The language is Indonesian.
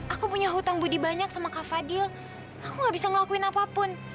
aku punya hutang budi banyak sama kak fadil aku gak bisa ngelakuin apapun